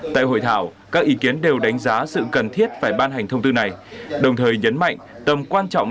tại hội thảo các ý kiến đều đánh giá sự cần thiết phải ban hành thông tư này đồng thời nhấn mạnh tầm quan trọng